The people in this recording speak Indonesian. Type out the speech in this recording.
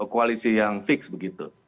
koalisi yang fix begitu